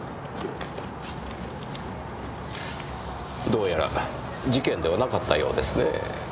どうやら事件ではなかったようですねぇ。